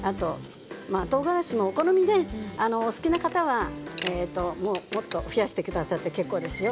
とうがらしはお好みでお好きな方はもっと増やしてくださっても結構ですよ。